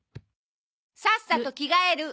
さっさと着替える。